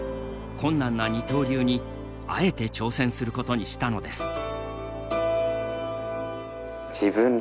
困難な二刀流にあえて挑戦することにしたのです。